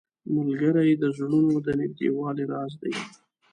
ملګری د زړونو د نږدېوالي راز دی